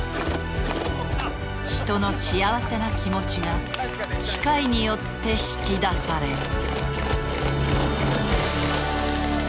人の幸せな気持ちが機械によって引き出される。